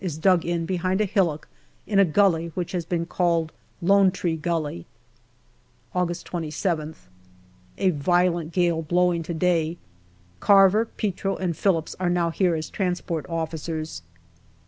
is dug in behind a hillock in a gully which has been called Lone Tree Gully. August 27th. A violent gale blowing to day. Carver, Petro, and Phillips are now here as transport officers.